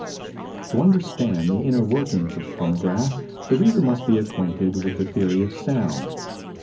To understand the inner working of the phonograph the reader must be acquainted with the theory of sound.